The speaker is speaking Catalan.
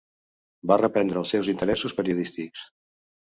Va reprendre els seus interessos periodístics.